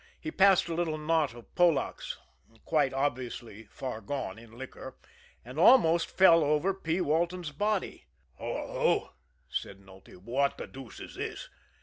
He passed a little knot of Polacks, quite obviously far gone in liquor and almost fell over P. Walton's body. "Hullo!" said Nulty. "What the deuce is this!"